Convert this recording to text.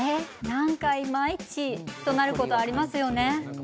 なんか、いまいちとなること、ありますよね。